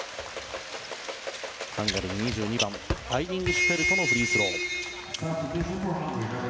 ハンガリー、２２番アイリングシュフェルトのフリースロー。